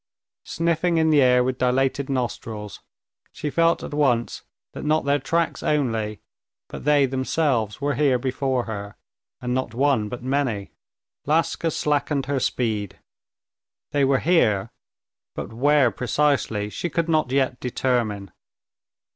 Sniffing in the air with dilated nostrils, she felt at once that not their tracks only but they themselves were here before her, and not one, but many. Laska slackened her speed. They were here, but where precisely she could not yet determine.